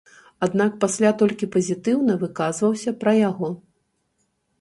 Аднак пасля толькі пазітыўна выказваўся пра яго.